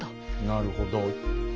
なるほど。